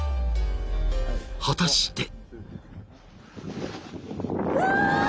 ［果たして］